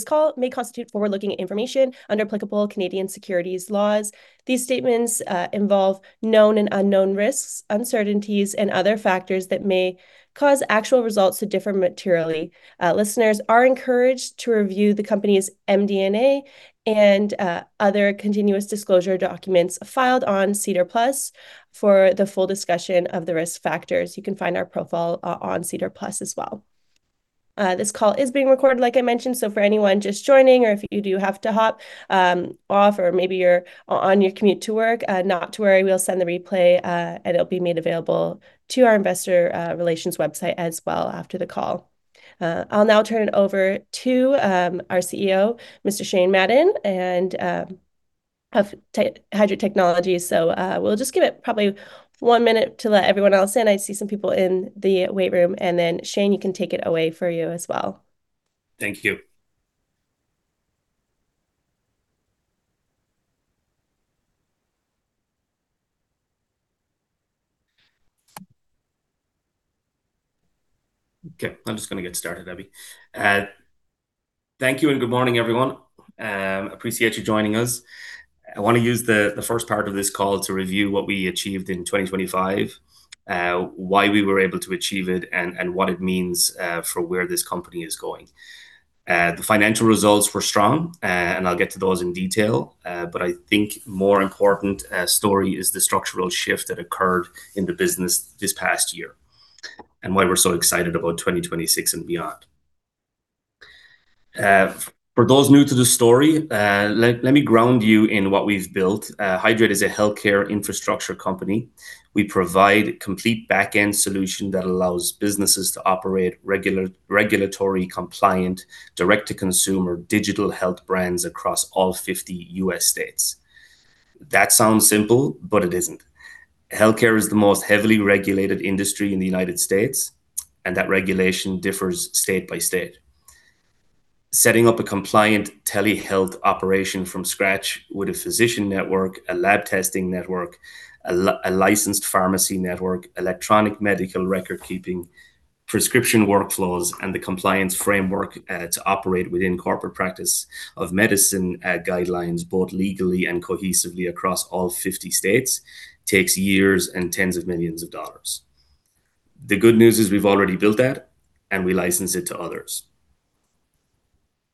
Today's call may constitute forward-looking information under applicable Canadian securities laws. These statements involve known and unknown risks, uncertainties, and other factors that may cause actual results to differ materially. Listeners are encouraged to review the company's MD&A and other continuous disclosure documents filed on SEDAR+ for the full discussion of the risk factors. You can find our profile on SEDAR+ as well. This call is being recorded, like I mentioned, so for anyone just joining or if you do have to hop off, or maybe you're on your commute to work, not to worry, we'll send the replay, and it'll be made available to our investor relations website as well after the call. I'll now turn it over to our CEO, Mr. Shane Madden, of Hydreight Technologies. We'll just give it probably one minute to let everyone else in. I see some people in the wait room. Shane, you can take it away for you as well. Thank you. Okay, I'm just gonna get started, Abbey. Thank you and good morning, everyone. Appreciate you joining us. I want to use the first part of this call to review what we achieved in 2025, why we were able to achieve it, what it means for where this company is going. The financial results were strong, and I'll get to those in detail, but I think more important story is the structural shift that occurred in the business this past year and why we're so excited about 2026 and beyond. For those new to the story, let me ground you in what we've built. Hydreight is a healthcare infrastructure company. We provide complete back-end solution that allows businesses to operate regulatory compliant direct-to-consumer digital health brands across all 50 U.S. states. That sounds simple, but it isn't. Healthcare is the most heavily regulated industry in the U.S., and that regulation differs state by state. Setting up a compliant telehealth operation from scratch with a physician network, a lab testing network, a licensed pharmacy network, electronic medical record keeping, prescription workflows, and the compliance framework to operate within corporate practice of medicine guidelines, both legally and cohesively across all 50 states takes years and tens of millions of CAD. The good news is we've already built that, and we license it to others.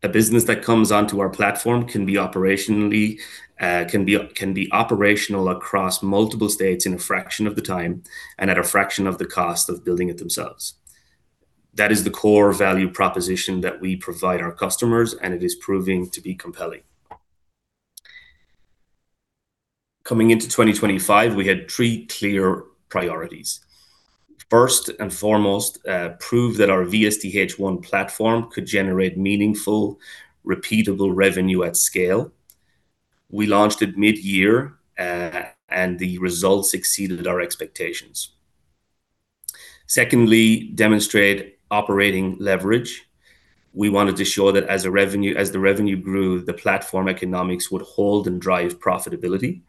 A business that comes onto our platform can be operationally, can be operational across multiple states in a fraction of the time and at a fraction of the cost of building it themselves. That is the core value proposition that we provide our customers, and it is proving to be compelling. Coming into 2025, we had three clear priorities. First and foremost, prove that our VSDHOne platform could generate meaningful, repeatable revenue at scale. We launched it midyear, the results exceeded our expectations. Secondly, demonstrate operating leverage. We wanted to show that as the revenue grew, the platform economics would hold and drive profitability.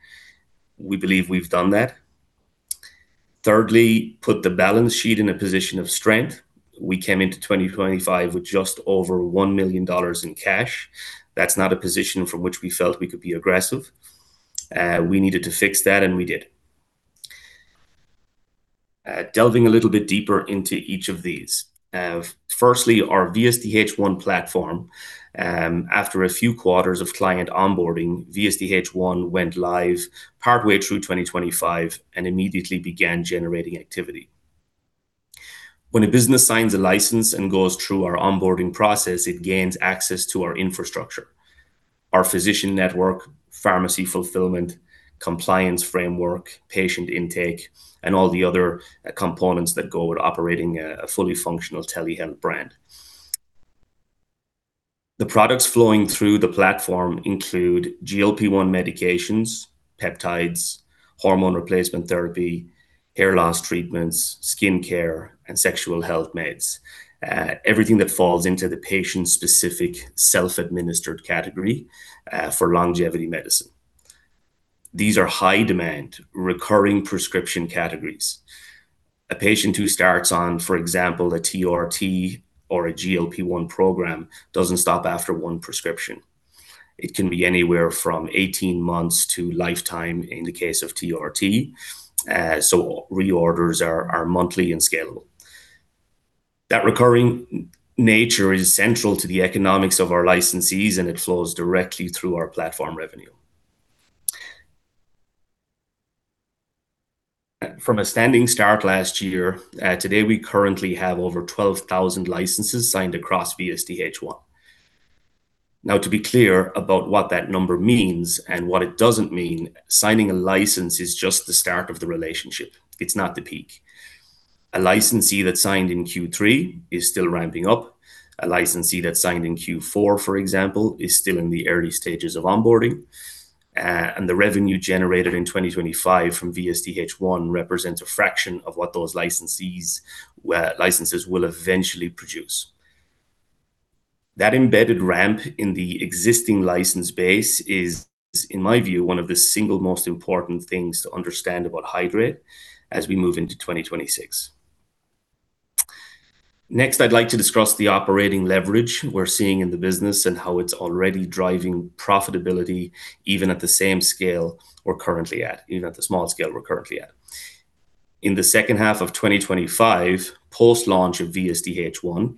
We believe we've done that. Thirdly, put the balance sheet in a position of strength. We came into 2025 with just over 1 million dollars in cash. That's not a position from which we felt we could be aggressive. We needed to fix that, we did. Delving a little bit deeper into each of these. Firstly, our VSDHOne platform, after a few quarters of client onboarding, VSDHOne went live partway through 2025 and immediately began generating activity. When a business signs a license and goes through our onboarding process, it gains access to our infrastructure, our physician network, pharmacy fulfillment, compliance framework, patient intake, and all the other components that go with operating a fully functional telehealth brand. The products flowing through the platform include GLP-1 medications, peptides, hormone replacement therapy, hair loss treatments, skin care, and sexual health meds, everything that falls into the patient-specific self-administered category, for longevity medicine. These are high-demand recurring prescription categories. A patient who starts on, for example, a TRT or a GLP-1 program doesn't stop after one prescription. It can be anywhere from 18 months to lifetime in the case of TRT, reorders are monthly and scalable. That recurring nature is central to the economics of our licensees, and it flows directly through our platform revenue. From a standing start last year, today we currently have over 12,000 licenses signed across VSDHOne. To be clear about what that number means and what it doesn't mean, signing a license is just the start of the relationship. It's not the peak. A licensee that signed in Q3 is still ramping up. A licensee that signed in Q4, for example, is still in the early stages of onboarding. The revenue generated in 2025 from VSDHOne represents a fraction of what those licensees, licenses will eventually produce. That embedded ramp in the existing license base is, in my view, one of the single most important things to understand about Hydreight as we move into 2026. Next, I'd like to discuss the operating leverage we're seeing in the business and how it's already driving profitability even at the same scale we're currently at, even at the small scale we're currently at. In the second half of 2025, post-launch of VSDHOne,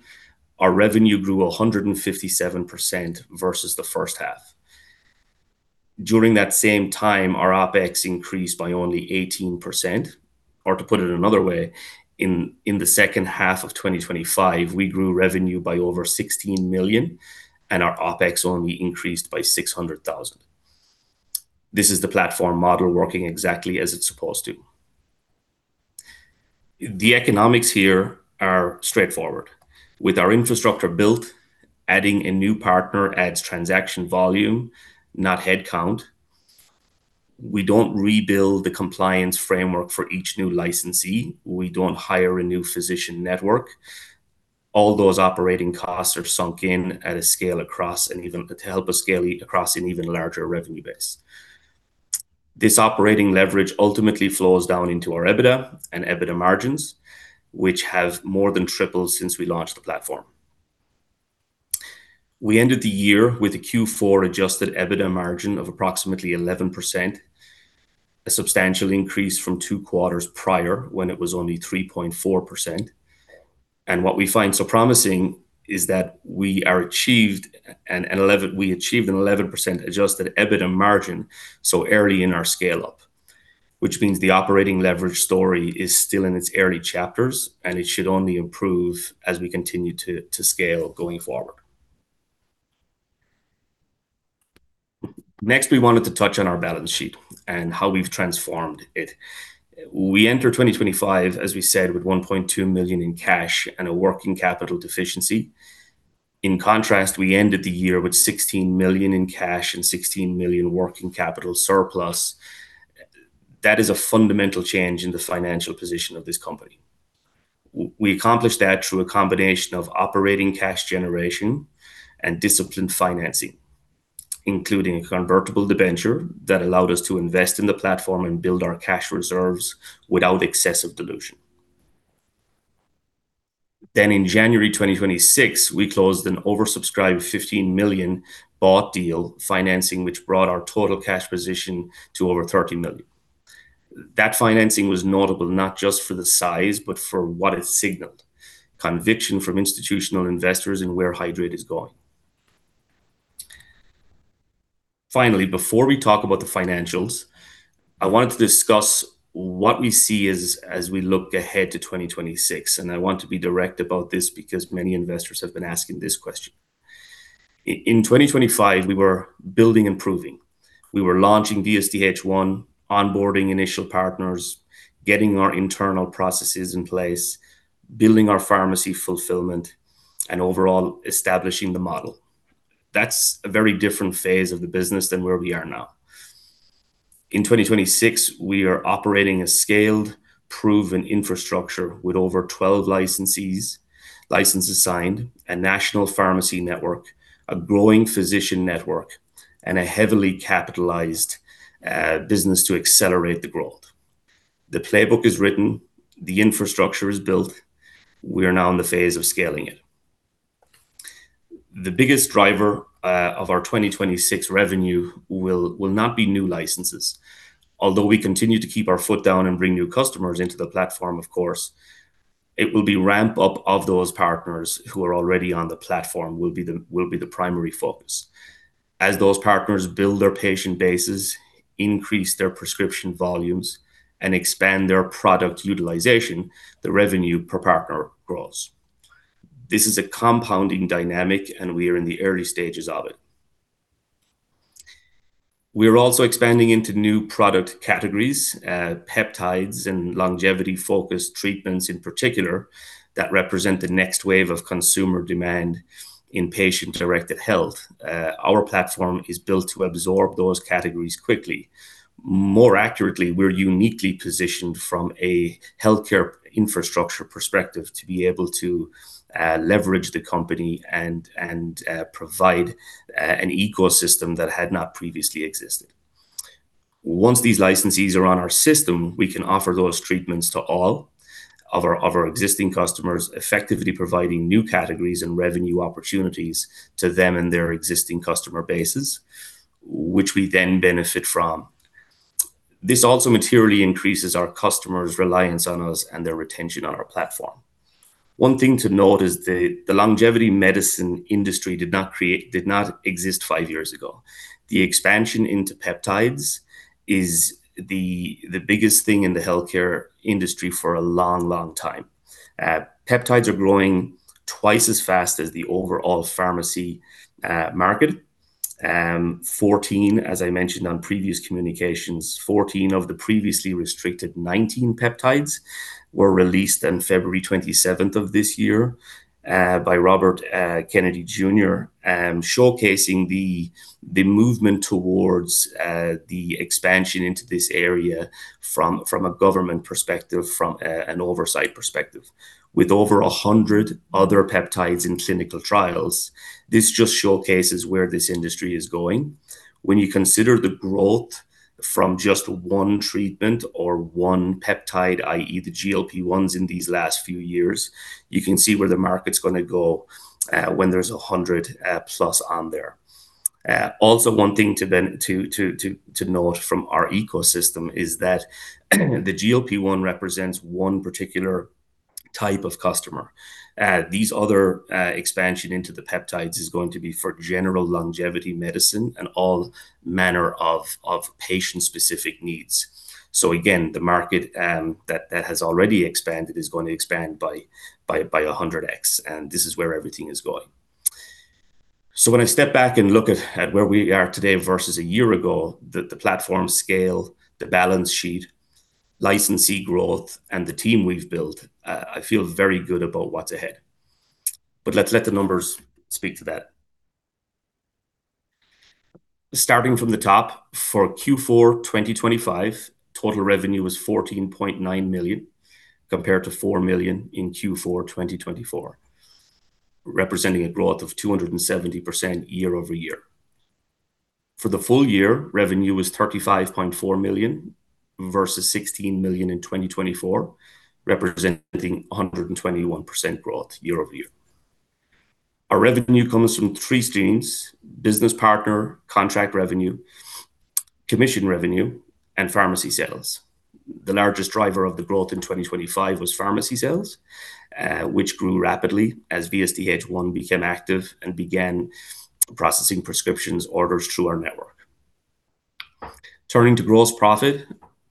our revenue grew 157% versus the first half. During that same time, our OpEx increased by only 18%. To put it another way, in the second half of 2025, we grew revenue by over 16 million and our OpEx only increased by 600,000. This is the platform model working exactly as it's supposed to. The economics here are straightforward. With our infrastructure built, adding a new partner adds transaction volume, not head count. We don't rebuild the compliance framework for each new licensee. We don't hire a new physician network. All those operating costs are sunk in at a scale to help us scale across an even larger revenue base. This operating leverage ultimately flows down into our EBITDA and EBITDA margins, which have more than tripled since we launched the platform. We ended the year with a Q4 adjusted EBITDA margin of approximately 11%, a substantial increase from two quarters prior when it was only 3.4%. What we find so promising is that we achieved an 11% adjusted EBITDA margin so early in our scale-up, which means the operating leverage story is still in its early chapters, and it should only improve as we continue to scale going forward. Next, we wanted to touch on our balance sheet and how we've transformed it. We entered 2025, as we said, with 1.2 million in cash and a working capital deficiency. In contrast, we ended the year with 16 million in cash and 16 million working capital surplus. That is a fundamental change in the financial position of this company. We accomplished that through a combination of operating cash generation and disciplined financing, including a convertible debenture that allowed us to invest in the platform and build our cash reserves without excessive dilution. In January 2026, we closed an oversubscribed 15 million bought deal financing which brought our total cash position to over 30 million. That financing was notable not just for the size, but for what it signaled: conviction from institutional investors in where Hydreight is going. Before we talk about the financials, I wanted to discuss what we see as we look ahead to 2026, and I want to be direct about this because many investors have been asking this question. In 2025, we were building and proving. We were launching VSDHOne, onboarding initial partners, getting our internal processes in place, building our pharmacy fulfillment, and overall establishing the model. That's a very different phase of the business than where we are now. In 2026, we are operating a scaled, proven infrastructure with over 12 licensees, licenses signed, a national pharmacy network, a growing physician network, and a heavily capitalized business to accelerate the growth. The playbook is written, the infrastructure is built. We are now in the phase of scaling it. The biggest driver of our 2026 revenue will not be new licenses. We continue to keep our foot down and bring new customers into the platform, of course, it will be ramp-up of those partners who are already on the platform will be the primary focus. Those partners build their patient bases, increase their prescription volumes, and expand their product utilization, the revenue per partner grows. This is a compounding dynamic. We are in the early stages of it. We're also expanding into new product categories, Peptides and longevity-focused treatments in particular, that represent the next wave of consumer demand in patient-directed health. More accurately, we're uniquely positioned from a healthcare infrastructure perspective to be able to leverage the company and provide an ecosystem that had not previously existed. Once these licensees are on our system, we can offer those treatments to all of our existing customers, effectively providing new categories and revenue opportunities to them and their existing customer bases, which we then benefit from. This also materially increases our customers' reliance on us and their retention on our platform. One thing to note is the longevity medicine industry did not exist five years ago. The expansion into peptides is the biggest thing in the healthcare industry for a long, long time. Peptides are growing 2x as fast as the overall pharmacy market. 14, as I mentioned on previous communications, 14 of the previously restricted 19 peptides were released on February 27th of this year by Robert Kennedy Jr., showcasing the movement towards the expansion into this area from a government perspective, from an oversight perspective. With over 100 other peptides in clinical trials, this just showcases where this industry is going. When you consider the growth from just one treatment or one peptide, i.e., the GLP-1s in these last few years, you can see where the market's gonna go when there's 100 plus on there. Also one thing to note from our ecosystem is that the GLP-1 represents one particular type of customer. These other expansion into the peptides is going to be for general longevity medicine and all manner of patient-specific needs. Again, the market that has already expanded is going to expand by 100x, and this is where everything is going. When I step back and look at where we are today versus one year ago, the platform scale, the balance sheet, licensee growth, and the team we've built, I feel very good about what's ahead. But let's let the numbers speak to that. Starting from the top, for Q4 2025, total revenue was 14.9 million, compared to 4 million in Q4 2024, representing a growth of 270% year-over-year. For the full year, revenue was 35.4 million versus 16 million in 2024, representing 121% growth year-over-year. Our revenue comes from three streams, business partner contract revenue, commission revenue, and pharmacy sales. The largest driver of the growth in 2025 was pharmacy sales, which grew rapidly as VSDHOne became active and began processing prescriptions orders through our network. Turning to gross profit,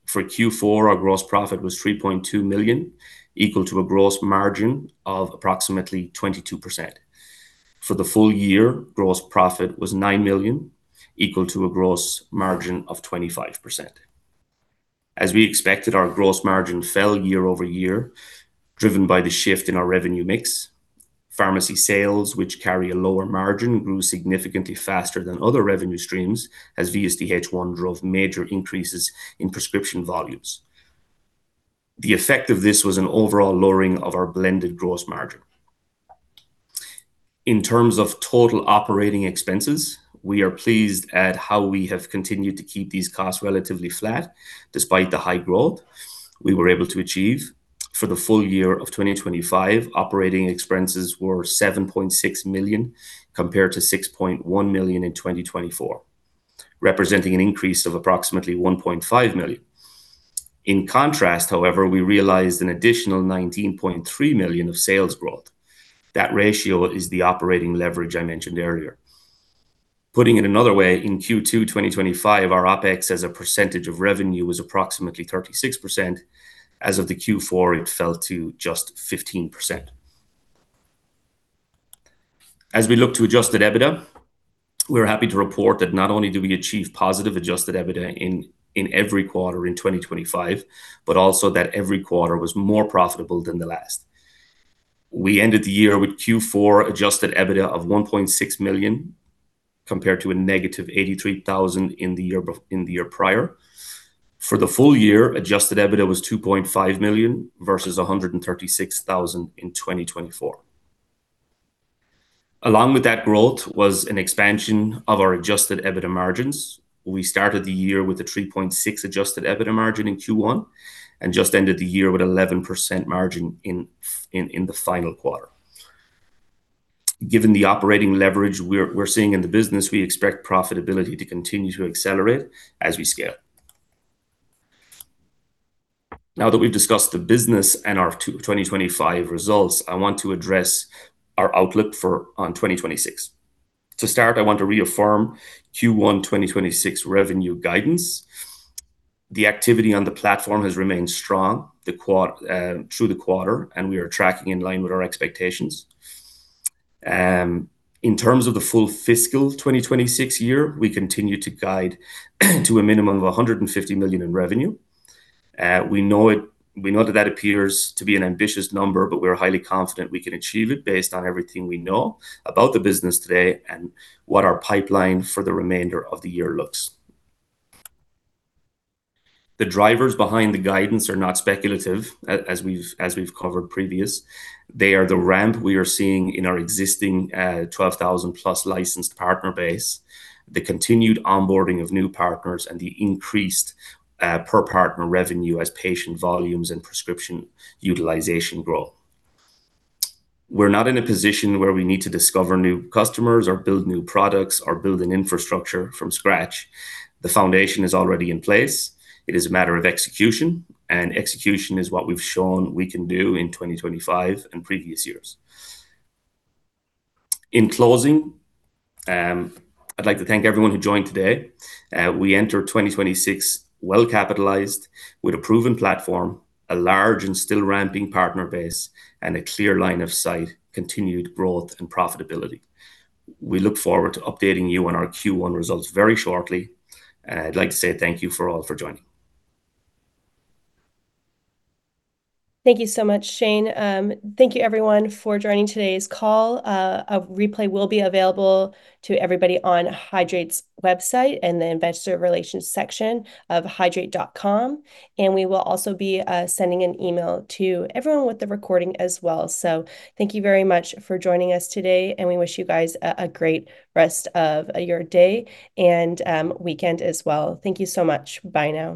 for Q4, our gross profit was 3.2 million, equal to a gross margin of approximately 22%. For the full year, gross profit was 9 million, equal to a gross margin of 25%. As we expected, our gross margin fell year-over-year, driven by the shift in our revenue mix. Pharmacy sales, which carry a lower margin, grew significantly faster than other revenue streams as VSDHOne drove major increases in prescription volumes. The effect of this was an overall lowering of our blended gross margin. In terms of total operating expenses, we are pleased at how we have continued to keep these costs relatively flat despite the high growth we were able to achieve. For the full year of 2025, operating expenses were 7.6 million, compared to 6.1 million in 2024, representing an increase of approximately 1.5 million. In contrast, however, we realized an additional 19.3 million of sales growth. That ratio is the operating leverage I mentioned earlier. Putting it another way, in Q2 2025, our OpEx as a percentage of revenue was approximately 36%. Of the Q4, it fell to just 15%. We look to adjusted EBITDA, we're happy to report that not only do we achieve positive adjusted EBITDA in every quarter in 2025, but also that every quarter was more profitable than the last. We ended the year with Q4 adjusted EBITDA of 1.6 million, compared to a -83,000 in the year prior. For the full year, adjusted EBITDA was 2.5 million versus 136,000 in 2024. Along with that growth was an expansion of our adjusted EBITDA margins. We started the year with a 3.6 adjusted EBITDA margin in Q1 and just ended the year with 11% margin in the final quarter. Given the operating leverage we're seeing in the business, we expect profitability to continue to accelerate as we scale. Now that we've discussed the business and our 2025 results, I want to address our outlook for on 2026. To start, I want to reaffirm Q1 2026 revenue guidance. The activity on the platform has remained strong through the quarter, and we are tracking in line with our expectations. In terms of the full fiscal 2026 year, we continue to guide to a minimum of 150 million in revenue. We know that that appears to be an ambitious number, but we're highly confident we can achieve it based on everything we know about the business today and what our pipeline for the remainder of the year looks. The drivers behind the guidance are not speculative as we've covered previous. They are the ramp we are seeing in our existing 12,000+ licensed partner base, the continued onboarding of new partners, and the increased per-partner revenue as patient volumes and prescription utilization grow. We're not in a position where we need to discover new customers or build new products or build an infrastructure from scratch. The foundation is already in place. It is a matter of execution, and execution is what we've shown we can do in 2025 and previous years. In closing, I'd like to thank everyone who joined today. We enter 2026 well-capitalized with a proven platform, a large and still ramping partner base, and a clear line of sight, continued growth, and profitability. We look forward to updating you on our Q1 results very shortly. I'd like to say thank you for all for joining. Thank you so much, Shane. Thank you everyone for joining today's call. A replay will be available to everybody on Hydreight's website in the investor relations section of hydreight.com. We will also be sending an email to everyone with the recording as well. Thank you very much for joining us today, and we wish you guys a great rest of your day and weekend as well. Thank you so much. Bye now.